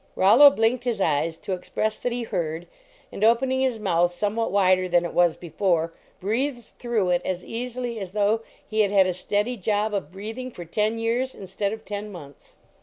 " Rollo blinked his eyes to express that he heard, and, opening his mouth somewhat wider than it was before, breathed through it as easily as though he had had a steady job of breathing for ten years instead of ten months.